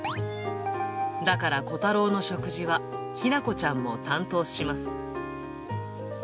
だからコタローの食事は日向子ちゃんも担当します。